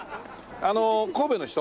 あの神戸の人？